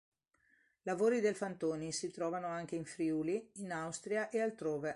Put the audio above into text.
Lavori del Fantoni si trovano anche in Friuli, in Austria e altrove.